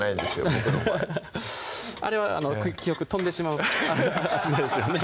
僕の場合あれは記憶飛んでしまう感じですよね